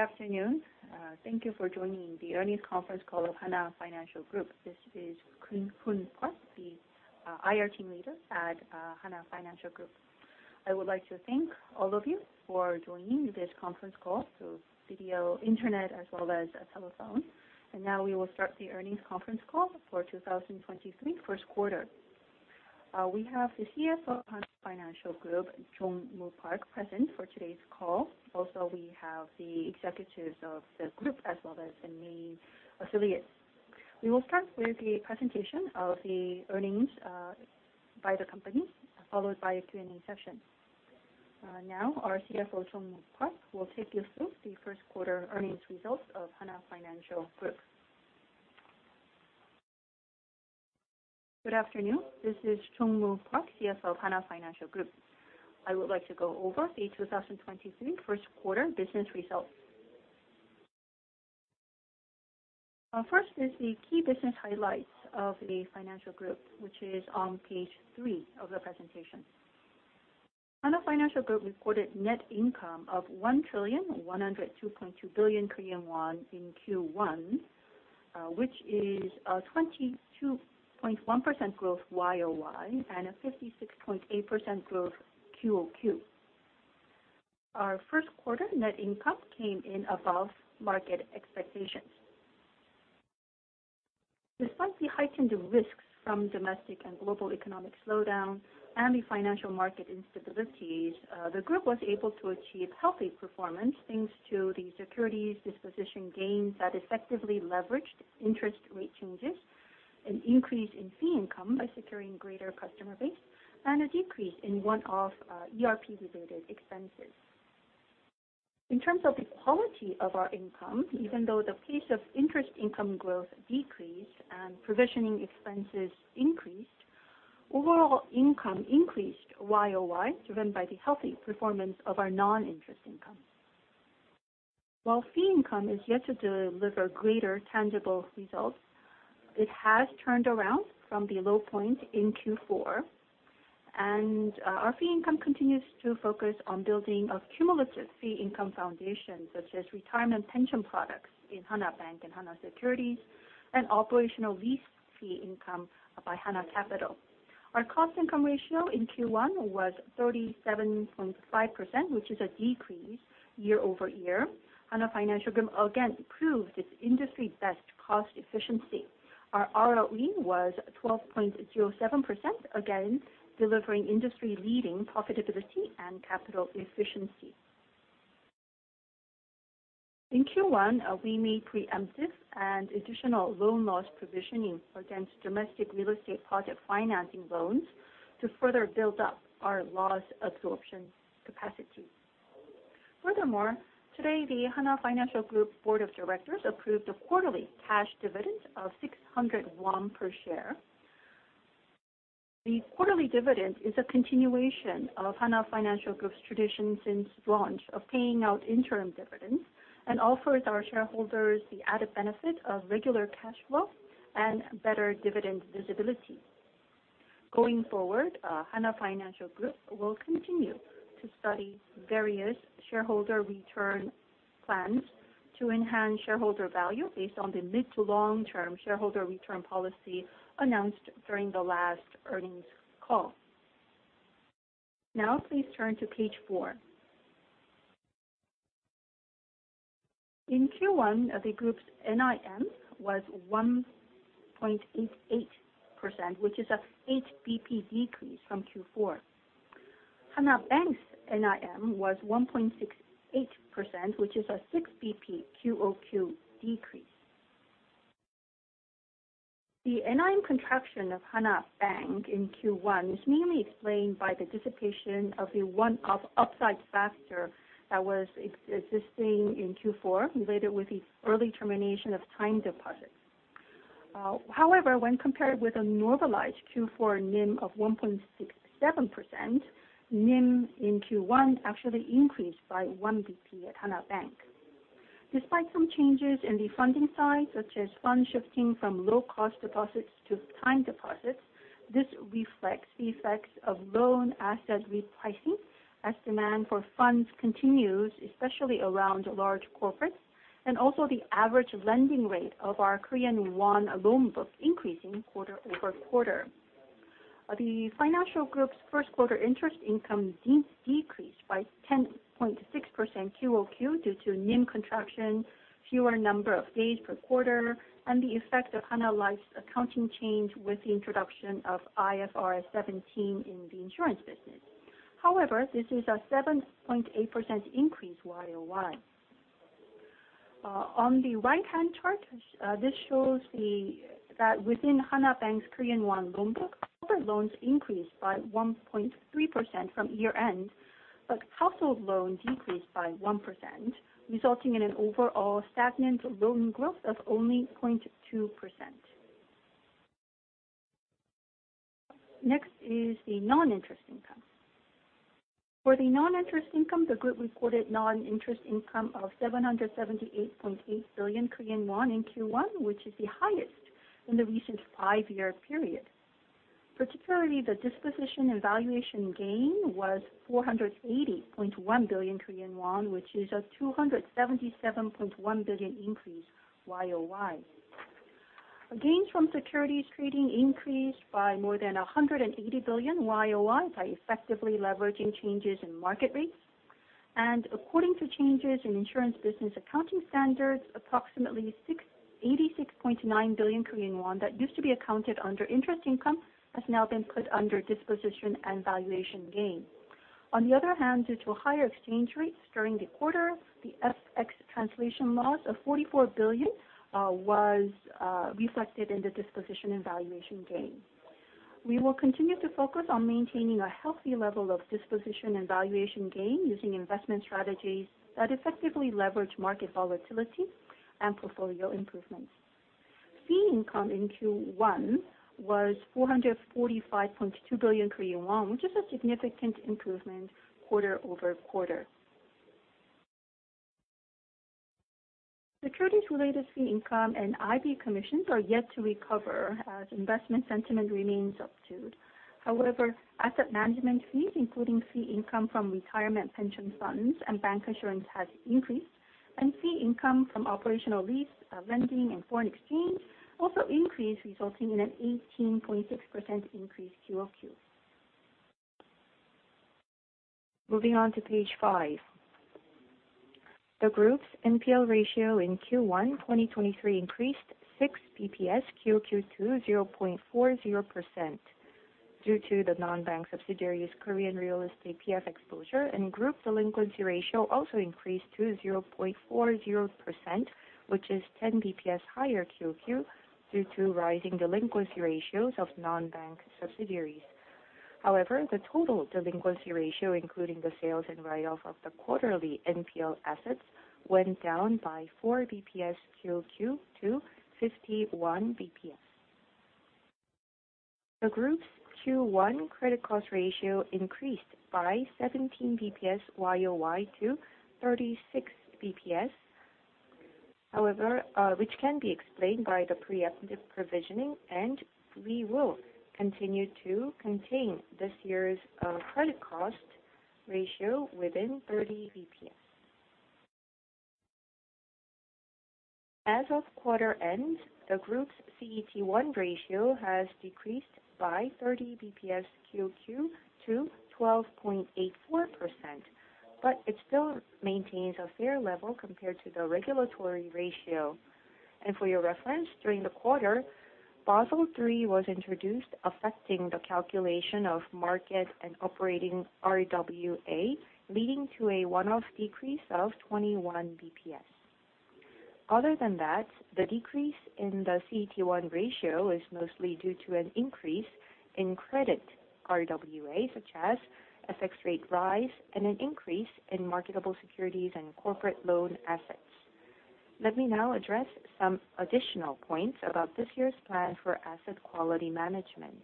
Good afternoon. Thank you for joining the earnings Conference Call of Hana Financial Group. This is Geun-Hoon Park, the IR Team Leader at Hana Financial Group. I would like to thank all of you for joining this conference call through video, internet as well as a telephone. Now we will start the earnings conference call for 2023 first quarter. We have the CFO of Hana Financial Group, Jong-Moo Park, present for today's call. We have the executives of the group as well as the main affiliates. We will start with the presentation of the earnings by the company, followed by a Q&A session. Now, our CFO, Park Jong-Moo, will take you through the first quarter earnings results of Hana Financial Group. Good afternoon. This is Jong-Moo Park, CFO of Hana Financial Group. I would like to go over the 2023 first quarter business results. First is the key business highlights of Hana Financial Group, which is on page 3 of the presentation. Hana Financial Group reported net income of 1,102.2 billion Korean won in Q1, which is a 22.1% growth Y-o-Y and a 56.8% growth Q-o-Q. Our first quarter net income came in above market expectations. Despite the heightened risks from domestic and global economic slowdown and the financial market instabilities, the group was able to achieve healthy performance, thanks to the securities disposition gains that effectively leveraged interest rate changes, an increase in fee income by securing greater customer base, and a decrease in one-off ERP-related expenses. In terms of the quality of our income, even though the pace of interest income growth decreased and provisioning expenses increased, overall income increased YoY, driven by the healthy performance of our non-interest income. While fee income is yet to deliver greater tangible results, it has turned around from the low point in Q4, and our fee income continues to focus on building a cumulative fee income foundation, such as retirement pension products in Hana Bank and Hana Securities and operational lease fee income by Hana Capital. Our cost-income ratio in Q1 was 37.5%, which is a decrease year-over-year. Hana Financial Group again proved its industry-best cost efficiency. Our ROE was 12.07%, again, delivering industry-leading profitability and capital efficiency. In Q1, we made preemptive and additional loan loss provisioning against domestic real estate project financing loans to further build up our loss absorption capacity. Furthermore, today, the Hana Financial Group board of directors approved a quarterly cash dividend of 600 won per share. The quarterly dividend is a continuation of Hana Financial Group's tradition since launch of paying out interim dividends and offers our shareholders the added benefit of regular cash flow and better dividend visibility. Going forward, Hana Financial Group will continue to study various shareholder return plans to enhance shareholder value based on the mid to long-term shareholder return policy announced during the last earnings call. Now please turn to page 4. In Q1, the group's NIM was 1.88%, which is an 8 bp decrease from Q4. Hana Bank's NIM was 1.68%, which is a 6 bp QoQ decrease. The NIM contraction of Hana Bank in Q1 is mainly explained by the dissipation of the one-off upside factor that was existing in Q4, related with the early termination of time deposits. However, when compared with a normalized Q4 NIM of 1.67%, NIM in Q1 actually increased by 1 bp at Hana Bank. Despite some changes in the funding side, such as funds shifting from low-cost deposits to time deposits, this reflects the effects of loan asset repricing as demand for funds continues, especially around large corporates, and also the average lending rate of our Korean won loan book increasing quarter-over-quarter. Hana Financial Group's first quarter interest income decreased by 10.6% QoQ due to NIM contraction, fewer number of days per quarter, and the effect of Hana Life's accounting change with the introduction of IFRS 17 in the insurance business. This is a 7.8% increase YoY. On the right-hand chart, this shows that within Hana Bank's Korean won loan book, corporate loans increased by 1.3% from year-end, but household loans decreased by 1%, resulting in an overall stagnant loan growth of only 0.2%. Next is the non-interest income. For the non-interest income, the group reported non-interest income of 778.8 billion Korean won in Q1, which is the highest in the recent five-year period. Particularly, the disposition and valuation gain was 480.1 billion Korean won, which is a 277.1 billion increase YoY. Gains from securities trading increased by more than 180 billion YoY by effectively leveraging changes in market rates. According to changes in insurance business accounting standards, approximately 86.9 billion Korean won that used to be accounted under interest income has now been put under disposition and valuation gain. On the other hand, due to higher exchange rates during the quarter, the FX translation loss of 44 billion was reflected in the disposition and valuation gain. We will continue to focus on maintaining a healthy level of disposition and valuation gain using investment strategies that effectively leverage market volatility and portfolio improvements. Fee income in Q1 was 445.2 billion Korean won, which is a significant improvement quarter-over-quarter. Securities-related fee income and IB commissions are yet to recover as investment sentiment remains subdued. However, asset management fees, including fee income from retirement pension funds and bank insurance, has increased, and fee income from operational lease, lending, and foreign exchange also increased, resulting in an 18.6% increase QoQ. Moving on to page five. The group's NPL ratio in Q1 2023 increased 6 BPS QoQ to 0.40% due to the non-bank subsidiary's Korean real estate PF exposure. The group delinquency ratio also increased to 0.40%, which is 10 BPS higher QoQ due to rising delinquency ratios of non-bank subsidiaries. The total delinquency ratio, including the sales and write-off of the quarterly NPL assets, went down by 4 BPS QoQ to 51 BPS. The group's Q1 credit cost ratio increased by 17 BPS YoY to 36 BPS. This can be explained by the preemptive provisioning. We will continue to contain this year's credit cost ratio within 30 BPS. As of quarter end, the group's CET1 ratio has decreased by 30 BPS QoQ to 12.84%. It still maintains a fair level compared to the regulatory ratio. For your reference, during the quarter, Basel III was introduced, affecting the calculation of market and operating RWA, leading to a one-off decrease of 21 BPS. Other than that, the decrease in the CET1 ratio is mostly due to an increase in credit RWA, such as FX rate rise and an increase in marketable securities and corporate loan assets. Let me now address some additional points about this year's plan for asset quality management.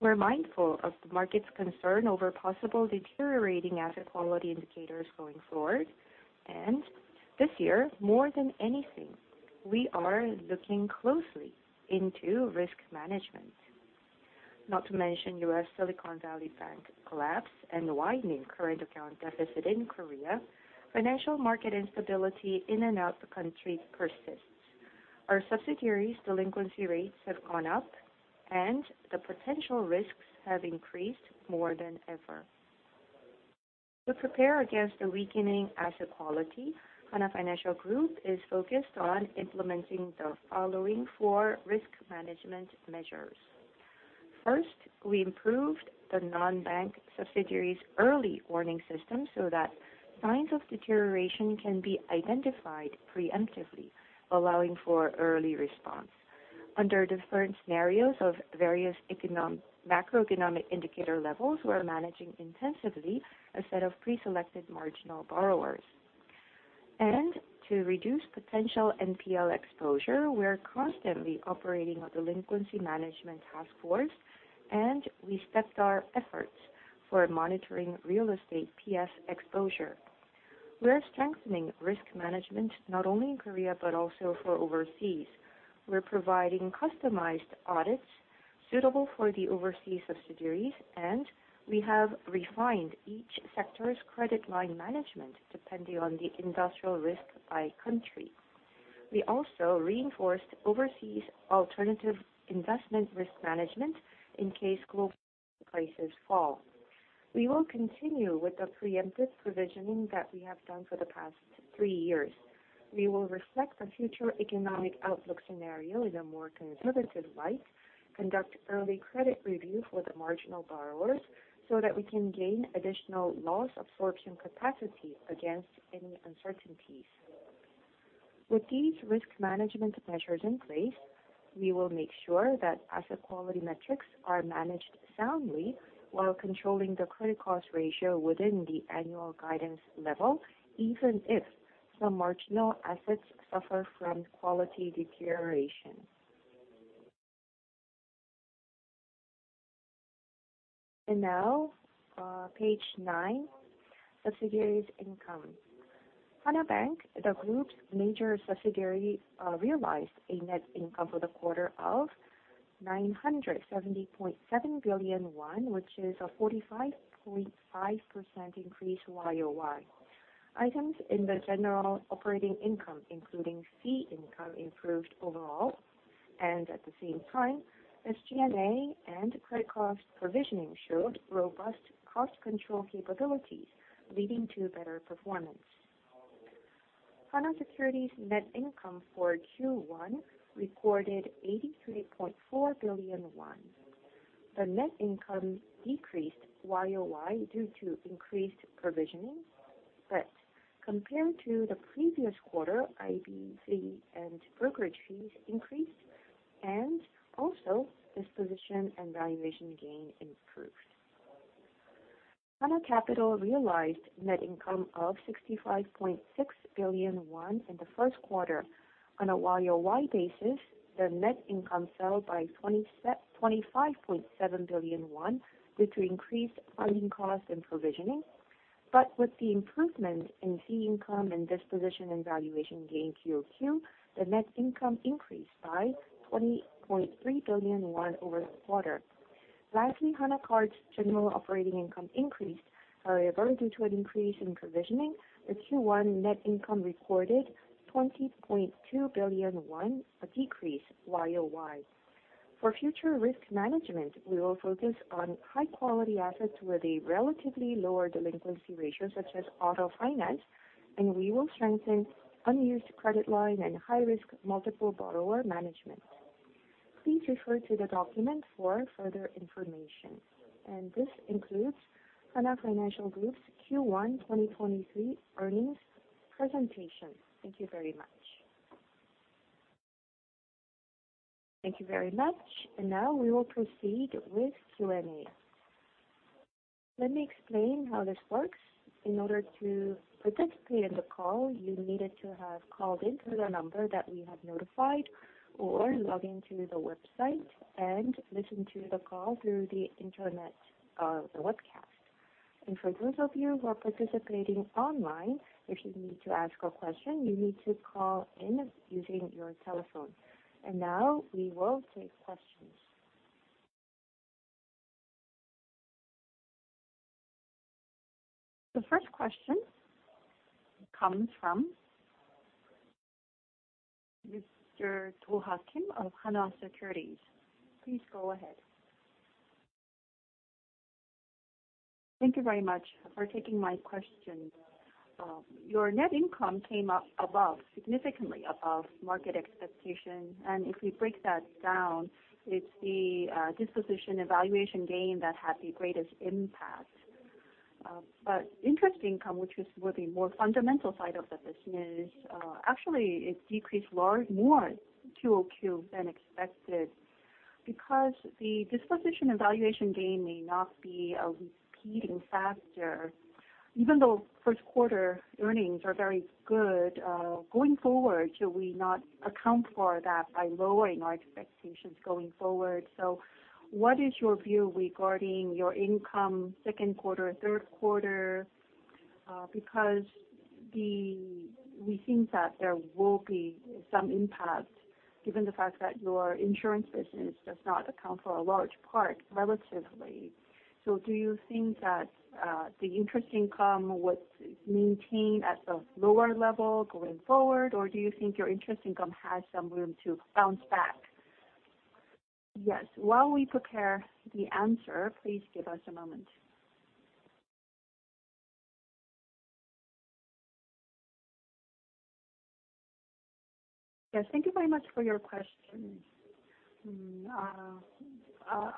We're mindful of the market's concern over possible deteriorating asset quality indicators going forward. This year, more than anything, we are looking closely into risk management. Not to mention US Silicon Valley Bank collapse and the widening current account deficit in Korea, financial market instability in and out the country persists. Our subsidiaries' delinquency rates have gone up, and the potential risks have increased more than ever. To prepare against the weakening asset quality, Hana Financial Group is focused on implementing the following four risk management measures. First, we improved the non-bank subsidiaries' early warning system so that signs of deterioration can be identified preemptively, allowing for early response. Under different scenarios of various macroeconomic indicator levels, we are managing intensively a set of preselected marginal borrowers. To reduce potential NPL exposure, we are constantly operating a delinquency management task force, and we stepped our efforts for monitoring real estate PF exposure. We are strengthening risk management not only in Korea but also for overseas. We're providing customized audits suitable for the overseas subsidiaries. We have refined each sector's credit line management depending on the industrial risk by country. We also reinforced overseas alternative investment risk management in case global prices fall. We will continue with the preemptive provisioning that we have done for the past three years. We will reflect the future economic outlook scenario in a more conservative light, conduct early credit review for the marginal borrowers, so that we can gain additional loss absorption capacity against any uncertainties. With these risk management measures in place, we will make sure that asset quality metrics are managed soundly while controlling the credit cost ratio within the annual guidance level, even if some marginal assets suffer from quality deterioration. Page nine, subsidiaries income. Hana Bank, the group's major subsidiary, realized a net income for the quarter of 970.7 billion won, which is a 45.5% increase YoY. Items in the general operating income, including fee income, improved overall. At the same time, SG&A and credit cost provisioning showed robust cost control capabilities, leading to better performance. Hana Securities net income for Q1 recorded 83.4 billion won. The net income decreased YOY due to increased provisioning. Compared to the previous quarter, IBC and brokerage fees increased, and also disposition and valuation gain improved. Hana Capital realized net income of 65.6 billion won in the first quarter. On a YOY basis, their net income fell by 25.7 billion won due to increased funding costs and provisioning. With the improvement in fee income and disposition and valuation gain QOQ, the net income increased by 20.3 billion won over the quarter. Lastly, Hana Card's general operating income increased. However, due to an increase in provisioning, the Q1 net income recorded 20.2 billion won, a decrease YOY. For future risk management, we will focus on high quality assets with a relatively lower delinquency ratio, such as auto finance, and we will strengthen unused credit line and high-risk multiple borrower management. Please refer to the document for further information. This concludes Hana Financial Group's Q1 2023 earnings presentation. Thank you very much. Thank you very much. Now we will proceed with Q&A. Let me explain how this works. In order to participate in the call, you needed to have called in to the number that we have notified or log in to the website and listen to the call through the internet, the webcast. For those of you who are participating online, if you need to ask a question, you need to call in using your telephone. Now we will take questions. The first question comes from Mr. Kim Do-ha of Hana Securities. Please go ahead. Thank you very much for taking my question. Your net income came up above, significantly above market expectation. If we break that down, it's the disposition evaluation gain that had the greatest impact. Interest income, which was the more fundamental side of the business, actually it decreased more QoQ than expected. Because the disposition evaluation gain may not be a repeating factor, even though first quarter earnings are very good, going forward, should we not account for that by lowering our expectations going forward? What is your view regarding your income second quarter, third quarter? Because we think that there will be some impact given the fact that your insurance business does not account for a large part relatively. Do you think that, the interest income would maintain at the lower level going forward? Or do you think your interest income has some room to bounce back? Yes. While we prepare the answer, please give us a moment. Yes, thank you very much for your question.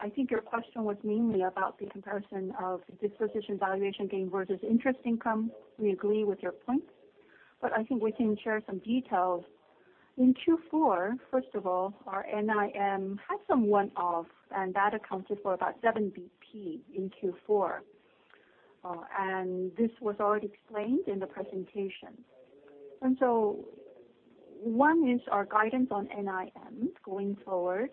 I think your question was mainly about the comparison of disposition valuation gain versus interest income. We agree with your points, but I think we can share some details. In Q4, first of all, our NIM had some one-off, and that accounted for about 7 BP in Q4. This was already explained in the presentation. One is our guidance on NIM going forward.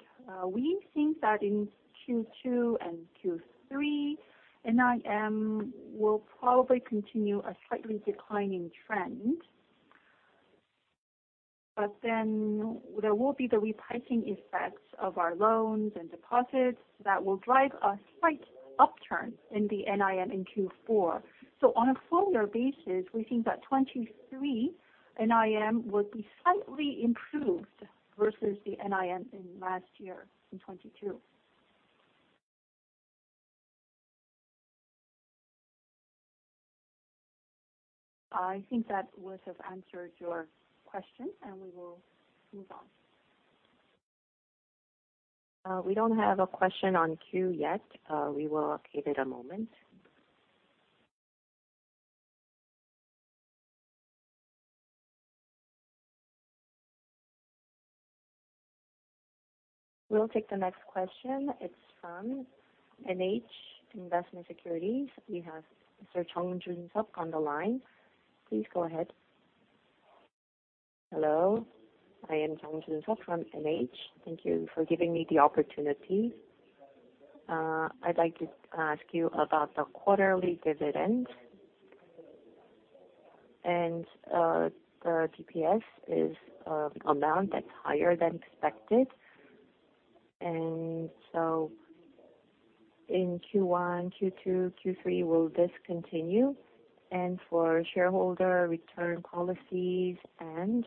We think that in Q2 and Q3, NIM will probably continue a slightly declining trend. There will be the repricing effects of our loans and deposits that will drive a slight upturn in the NIM in Q4. On a full year basis, we think that 2023 NIM will be slightly improved versus the NIM in last year, in 2022. I think that would have answered your question, and we will move on. We don't have a question on queue yet. We will give it a moment. We'll take the next question. It's from NH Investment & Securities. We have Mr. Yong Suk Jun on the line. Please go ahead. Hello. I am Yong Suk Jun from NH. Thank you for giving me the opportunity. I'd like to ask you about the quarterly dividend. The DPS is, amount that's higher than expected. In Q1, Q2, Q3, will this continue? For shareholder return policies and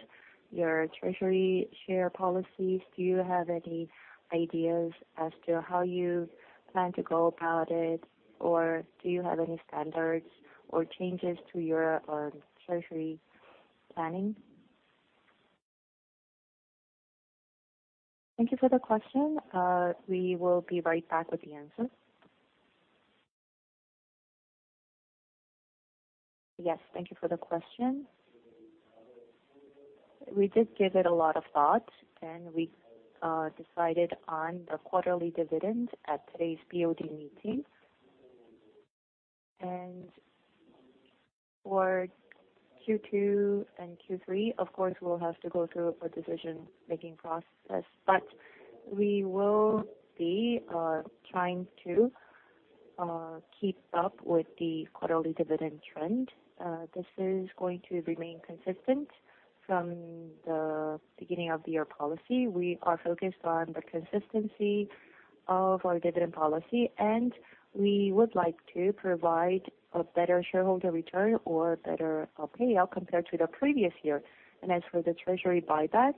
your treasury share policies, do you have any ideas as to how you plan to go about it? Do you have any standards or changes to your treasury planning? Thank you for the question. We will be right back with the answer. Yes, thank you for the question. We did give it a lot of thought, and we decided on the quarterly dividend at today's BOD meeting. For Q2 and Q3, of course, we'll have to go through a decision-making process. We will be trying to keep up with the quarterly dividend trend. This is going to remain consistent from the beginning of the year policy. We are focused on the consistency of our dividend policy, and we would like to provide a better shareholder return or better payout compared to the previous year. As for the treasury buyback,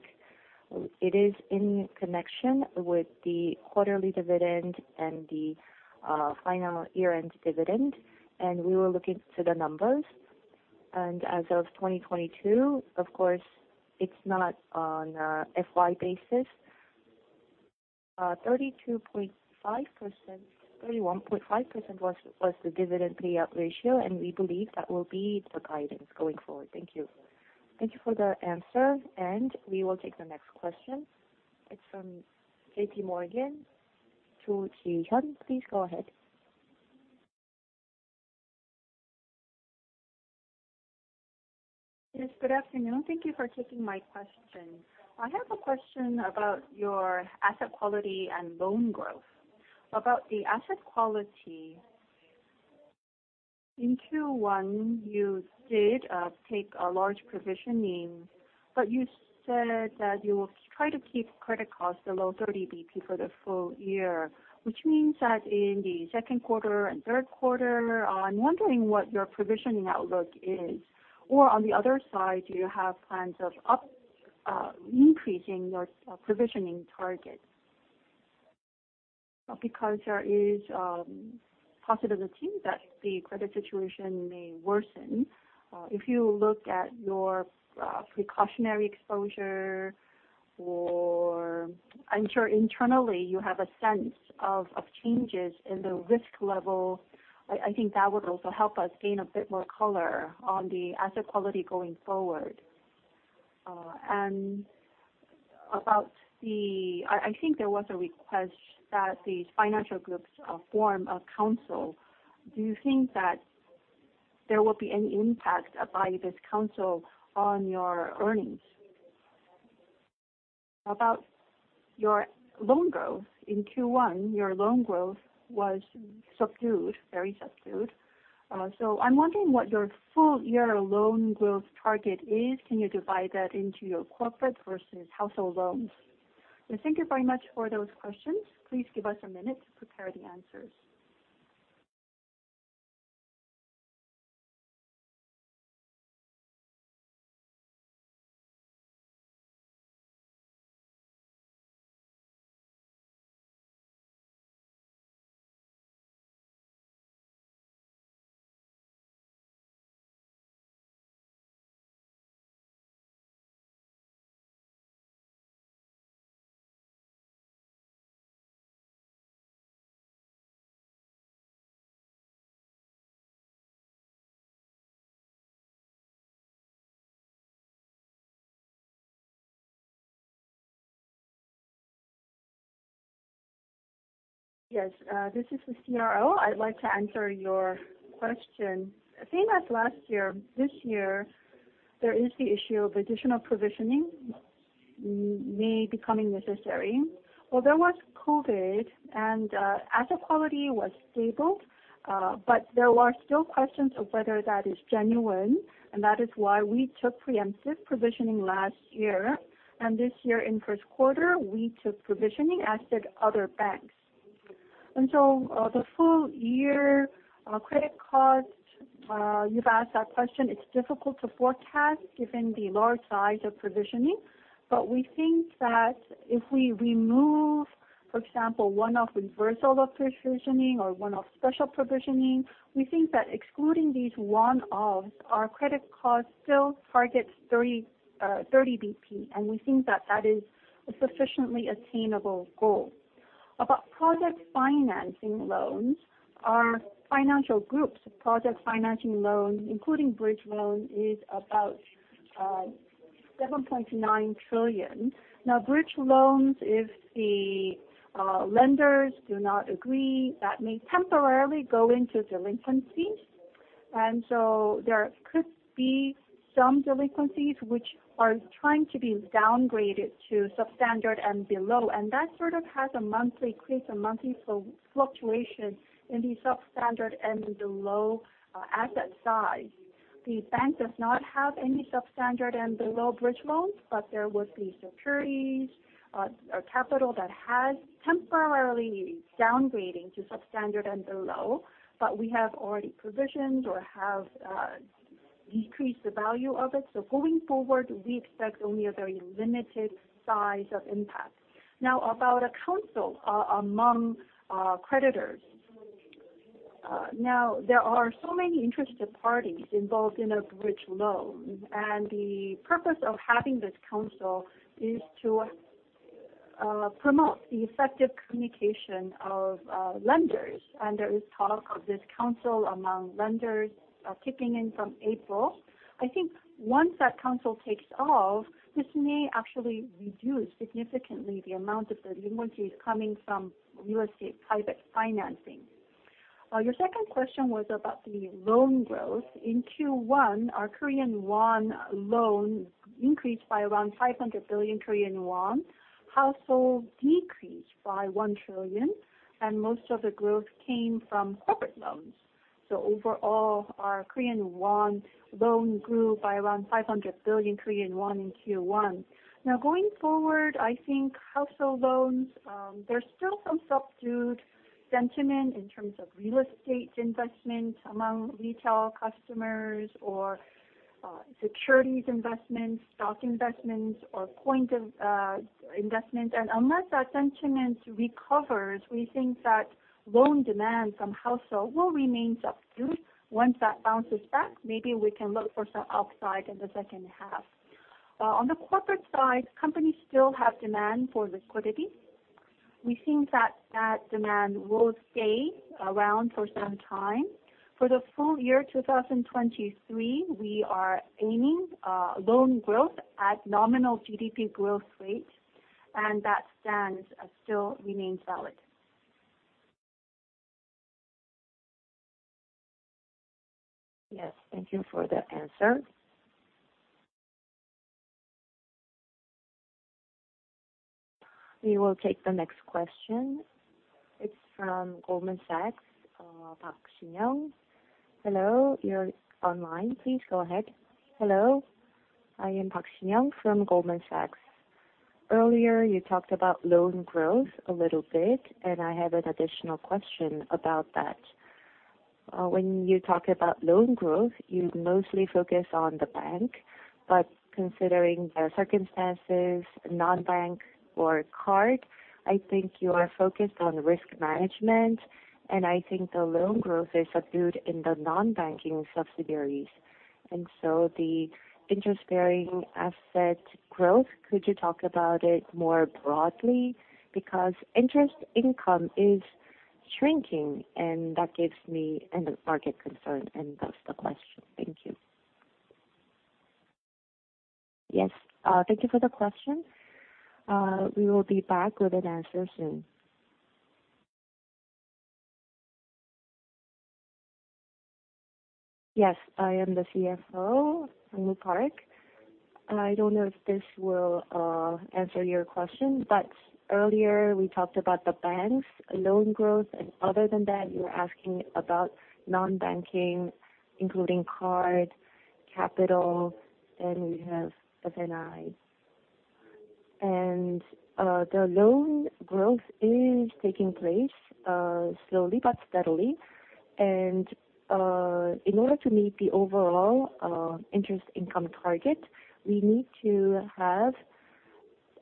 it is in connection with the quarterly dividend and the final year-end dividend. We will look into the numbers. As of 2022, of course, it's not on a FY basis. 31.5% was the dividend payout ratio, and we believe that will be the guidance going forward. Thank you. Thank you for the answer. We will take the next question. It's from JPMorgan, Jihyun Cho. Please go ahead. Good afternoon. Thank you for taking my question. I have a question about your asset quality and loan growth. About the asset quality, in Q1, you did take a large provisioning. You said that you will try to keep credit costs below 30 BP for the full year, which means that in the second quarter and third quarter, I'm wondering what your provisioning outlook is. On the other side, do you have plans of increasing your provisioning target? There is possibility that the credit situation may worsen. If you look at your precautionary exposure or I'm sure internally you have a sense of changes in the risk level, I think that would also help us gain a bit more color on the asset quality going forward. About the... I think there was a request that these financial groups form a council. Do you think that there will be any impact by this council on your earnings? About your loan growth. In Q1, your loan growth was subdued, very subdued. I'm wondering what your full-year loan growth target is. Can you divide that into your corporate versus household loans? Thank you very much for those questions. Please give us a minute to prepare the answers. Yes, this is the CRO. I'd like to answer your question. Same as last year, this year, there is the issue of additional provisioning may becoming necessary. Although it was COVID and asset quality was stable, there are still questions of whether that is genuine, and that is why we took preemptive provisioning last year. This year in 1st quarter, we took provisioning, as did other banks. The full year credit cost, you've asked that question. It's difficult to forecast given the large size of provisioning. We think that if we remove, for example, one-off reversal of provisioning or one-off special provisioning, we think that excluding these one-offs, our credit cost still targets 30 BP, and we think that that is a sufficiently attainable goal. About project financing loans, Hana Financial Group's project financing loan, including bridge loan, is about 7.9 trillion. Now, bridge loans, if the lenders do not agree, that may temporarily go into delinquency. There could be some delinquencies which are trying to be downgraded to substandard and below, and that sort of creates a monthly fluctuation in the substandard and below asset size. The bank does not have any substandard and below bridge loans, but there would be securities, or capital that has temporarily downgrading to substandard and below, but we have already provisioned or have decreased the value of it. Going forward, we expect only a very limited size of impact. About a council among creditors. There are so many interested parties involved in a bridge loan, and the purpose of having this council is to promote the effective communication of lenders. There is talk of this council among lenders kicking in from April. I think once that council takes off, this may actually reduce significantly the amount of delinquencies coming from real estate private financing. Your second question was about the loan growth. In Q1, our Korean won loans increased by around 500 billion Korean won. Household decreased by 1 trillion, and most of the growth came from corporate loans. Overall, our Korean won loans grew by around 500 billion Korean won in Q1. Going forward, I think household loans, there's still some subdued sentiment in terms of real estate investment among retail customers or securities investments, stock investments, or co-investment. Unless that sentiment recovers, we think that loan demand from household will remain subdued. Once that bounces back, maybe we can look for some upside in the second half. On the corporate side, companies still have demand for liquidity. We think that that demand will stay around for some time. For the full year 2023, we are aiming loan growth at nominal GDP growth rate, and that stands still remains valid. Yes, thank you for the answer. We will take the next question. It's from Goldman Sachs, Park Sin Young. Hello, you're online. Please go ahead. Hello, I am Park Sin Young from Goldman Sachs. Earlier, you talked about loan growth a little bit. I have an additional question about that. When you talk about loan growth, you mostly focus on the bank, but considering the circumstances, non-bank or card, I think you are focused on risk management. I think the loan growth is subdued in the non-banking subsidiaries. The interest-bearing asset growth, could you talk about it more broadly? Because interest income is shrinking, that gives me and the market concern, and thus the question. Thank you. Yes. Thank you for the question. We will be back with an answer soon. Yes, I am the CFO, Jong-Moo Park. I don't know if this will answer your question, but earlier we talked about the bank's loan growth, and other than that, you're asking about non-banking, including Card, Capital, then we have F&I. The loan growth is taking place slowly but steadily. In order to meet the overall interest income target, we need to have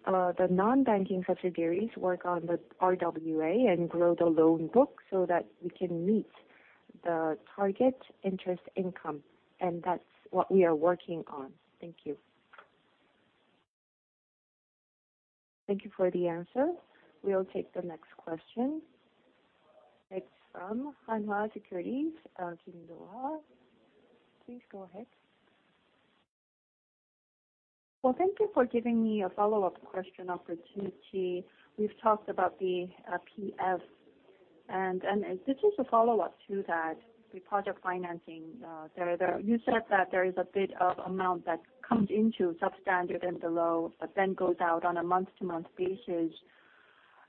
the non-banking subsidiaries work on the RWA and grow the loan book so that we can meet the target interest income. That's what we are working on. Thank you. Thank you for the answer. We'll take the next question. It's from Hanwha Investment & Securities, Kim Do Ha. Please go ahead. Thank you for giving me a follow-up question opportunity. We've talked about the PF, and this is a follow-up to that, the project financing. You said that there is a bit of amount that comes into substandard and below, goes out on a month-to-month basis.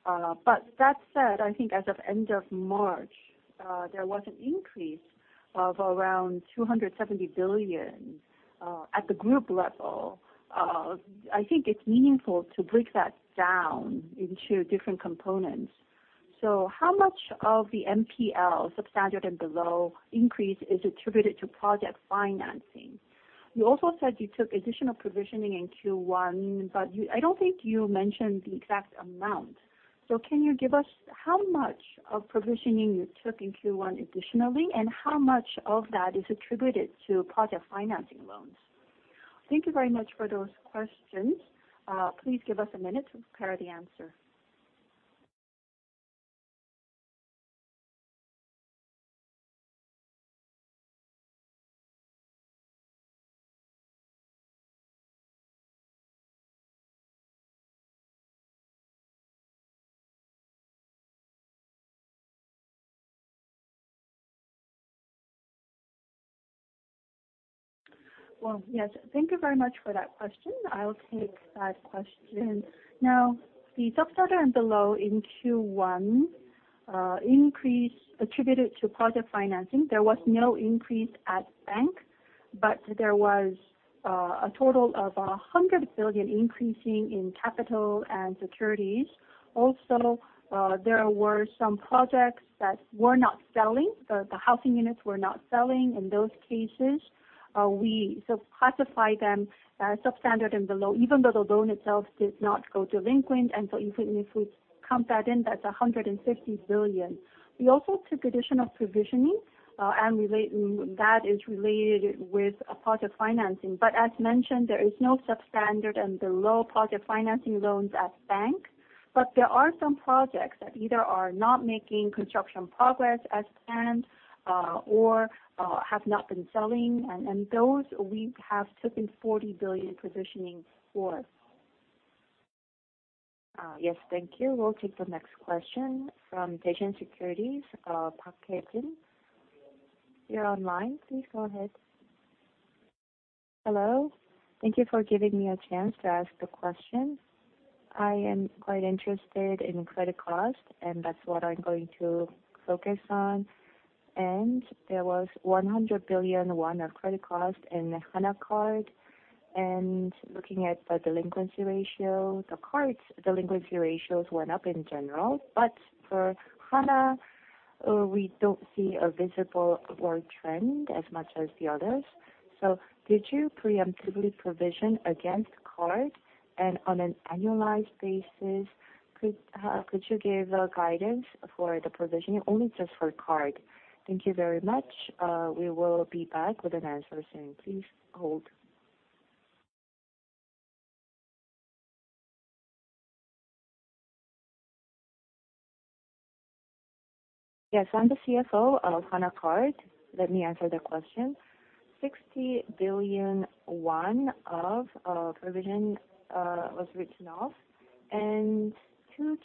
That said, I think as of end of March, there was an increase of around 270 billion at the group level. I think it's meaningful to break that down into different components. How much of the NPL substandard and below increase is attributed to project financing? You also said you took additional provisioning in Q1, I don't think you mentioned the exact amount. Can you give us how much of provisioning you took in Q1 additionally, and how much of that is attributed to project financing loans? Thank you very much for those questions. Please give us a minute to prepare the answer. Yes, thank you very much for that question. I'll take that question. The substandard and below in Q1 increase attributed to project financing. There was no increase at Hana Bank, but there was a total of 100 billion increasing in Hana Capital and Hana Securities. There were some projects that were not selling. The housing units were not selling. In those cases, we so classify them as substandard and below, even though the loan itself did not go delinquent. Even if we count that in, that's 150 billion. We also took additional provisioning, and that is related with project financing. As mentioned, there is no substandard and below project financing loans at Hana Bank. There are some projects that either are not making construction progress as planned, or have not been selling, and those we have taken 40 billion provisioning for. Yes, thank you. We'll take the next question from Daishin Securities, Park Hye-jin. You're online. Please go ahead. Hello. Thank you for giving me a chance to ask the question. I am quite interested in credit cost, and that's what I'm going to focus on. There was 100 billion won of credit cost in the Hana Card. Looking at the delinquency ratio, the Card's delinquency ratios went up in general. For Hana, we don't see a visible or trend as much as the others. Did you preemptively provision against Card? On an annualized basis, could you give a guidance for the provisioning only just for Card? Thank you very much. We will be back with an answer soon. Please hold. Yes, I'm the CFO of Hana Card. Let me answer the question. 60 billion won of provision was written off, 2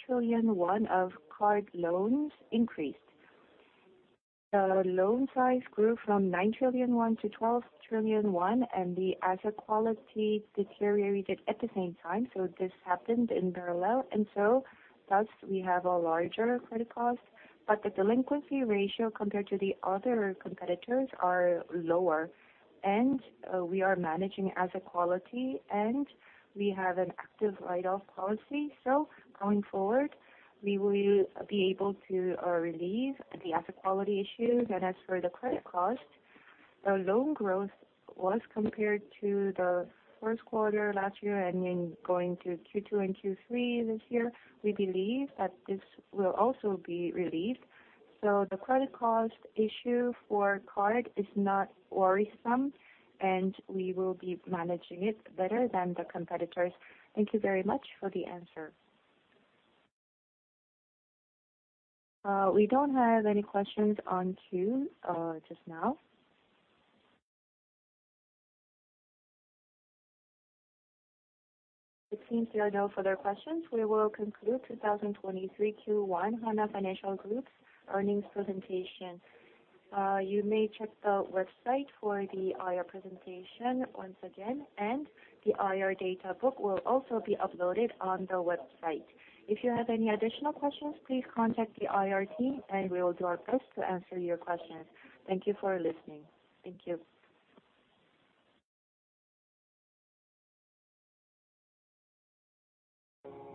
trillion won of card loans increased. The loan size grew from 9 trillion won to 12 trillion won, the asset quality deteriorated at the same time. This happened in parallel, thus we have a larger credit cost. The delinquency ratio compared to the other competitors are lower, we are managing asset quality, we have an active write-off policy. Going forward, we will be able to relieve the asset quality issues. As for the credit cost, the loan growth was compared to the first quarter last year and then going to Q2 and Q3 this year. We believe that this will also be relieved. The credit cost issue for card is not worrisome, we will be managing it better than the competitors. Thank you very much for the answer. We don't have any questions on queue just now. It seems there are no further questions. We will conclude 2023 Q1 Hana Financial Group's earnings presentation. You may check the website for the IR presentation once again, and the IR data book will also be uploaded on the website. If you have any additional questions, please contact the IR team and we will do our best to answer your questions. Thank you for listening. Thank you.